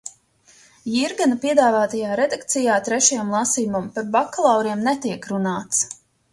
Jirgena piedāvātajā redakcijā trešajam lasījumam par bakalauriem netiek runāts.